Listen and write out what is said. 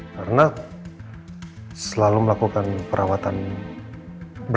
karena selalu melakukan perawatan berkala yang rutin pak